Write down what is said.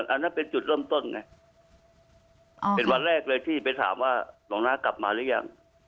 อันนั้นเป็นจุดเริ่มต้นนะเป็นวันแรกเลยที่ไปถามว่าหลวงน้ากลับมาหรือยัง